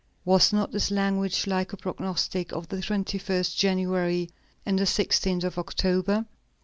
Was not this language like a prognostic of the 21st of January and the 16th of October?